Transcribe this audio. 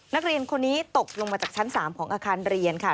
นักเรียนคนนี้ตกลงมาจากชั้น๓ของอาคารเรียนค่ะ